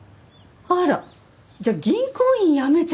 あら！じゃあ銀行員辞めちゃったの？